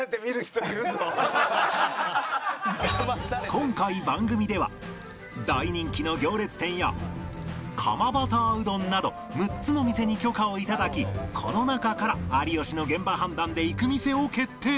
今回番組では大人気の行列店や釜バターうどんなど６つの店に許可を頂きこの中から有吉の現場判断で行く店を決定